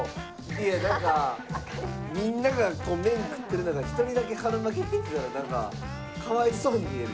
なんかみんなが麺食ってる中一人だけ春巻き食ってたらなんかかわいそうに見える。